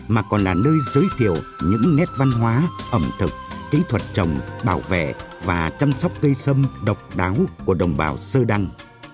mà còn là nơi giới thiệu những nét văn hóa ẩm thực kỹ thuật trồng bảo vệ và chăm sóc cây sâm độc đáo của đồng bào sơ đăng